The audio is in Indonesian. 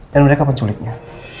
dan mereka penculiknya